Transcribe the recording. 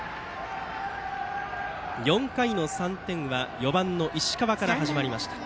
４回の３点は４番の石川から始まりました。